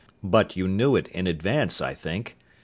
But you knew it in advance, I think.